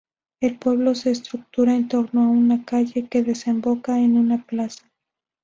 El pueblo se estructura en torno a una calle que desemboca en una plaza.